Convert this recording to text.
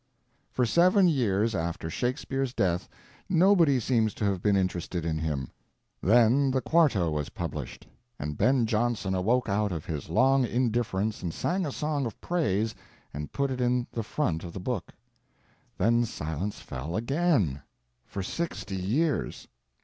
For seven years after Shakespeare's death nobody seems to have been interested in him. Then the quarto was published, and Ben Jonson awoke out of his long indifference and sang a song of praise and put it in the front of the book. Then silence fell again. For sixty years.